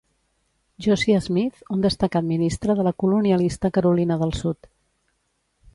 Josiah Smith, un destacat ministre de la colonialista Carolina del Sud.